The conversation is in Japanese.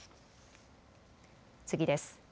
次です。